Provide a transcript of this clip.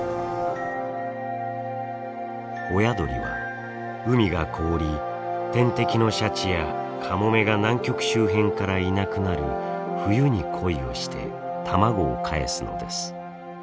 親鳥は海が凍り天敵のシャチやカモメが南極周辺からいなくなる冬に恋をして卵をかえすのです。